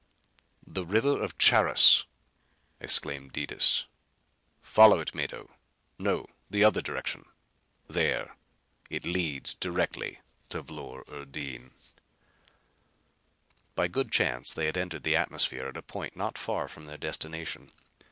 "The river of Charis!" exclaimed Detis. "Follow it, Mado. No, the other direction. There! It leads directly to Vlor urdin." By good chance they had entered the atmosphere at a point not far from their destination.